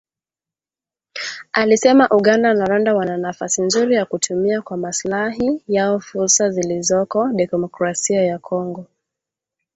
alisema Uganda na Rwanda wana nafasi nzuri ya kutumia kwa maslahi yao fursa zilizoko Demokrasia ya Kongo